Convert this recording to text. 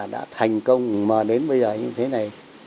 đã thành công mà đến bây giờ như thế này